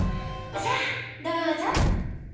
さぁどうぞ。